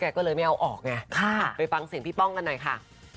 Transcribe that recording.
ค่ะไปฟังเสียงพี่ป้องกันหน่อยค่ะค่ะไปฟังเสียงพี่ป้องกันหน่อยค่ะ